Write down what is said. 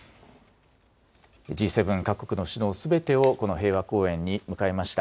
Ｇ７各国の首脳すべてをこの平和公園に迎えました。